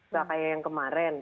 gak kayak yang kemarin